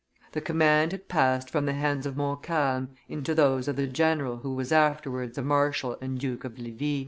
The command had passed from the hands of Montcalm into those of the general who was afterwards a marshal and Duke of Levis.